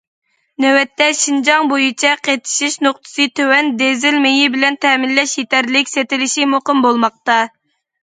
نۆۋەتتە، شىنجاڭ بويىچە قېتىشىش نۇقتىسى تۆۋەن دىزېل مېيى بىلەن تەمىنلەش يېتەرلىك، سېتىلىشى مۇقىم بولماقتا.